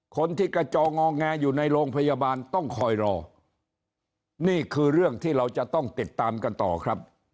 คนที่กระจองงอแงอยู่ในโรงพยาบาลต้องคอยรอนี่คือเรื่องที่เราจะต้องติดตามกันต่อครับ